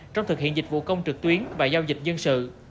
trong thực hiện dịch vụ công trực tuyến và giao dịch dân sự